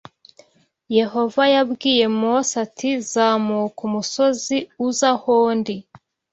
Yehova yabwiye Mose ati zamuka umusozi uze aho ndi.